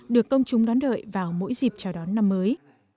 được công chúng đón đợi vào mỗi dịp chào đón năm mới